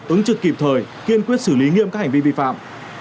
ứng trực kịp thời kiên quyết xử lý nghiêm các hành vi vi phạm